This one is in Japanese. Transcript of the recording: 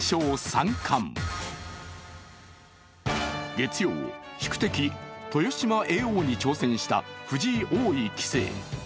月曜、宿敵・豊島叡王に挑戦した藤井王位・棋聖。